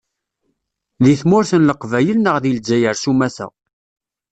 Deg tmurt n Leqbayel neɣ deg Lezzayer sumata.